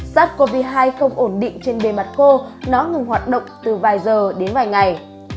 sars cov hai không ổn định trên bề mặt khô nó ngừng hoạt động từ vài giờ đến vài ngày